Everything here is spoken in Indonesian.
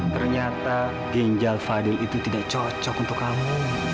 ternyata ginjal fadil itu tidak cocok untuk kamu